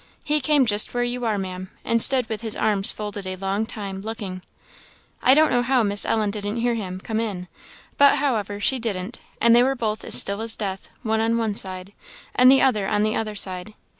He came just where you are, Ma'am, and stood with his arms folded a long time, looking. I don't know how Miss Ellen didn't hear him come in; but, however, she didn't; and they were both as still as death, one on one side, and the other on the other side.